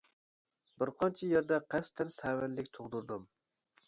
بىر قانچە يەردە قەستەن سەۋەنلىك تۇغدۇردۇم.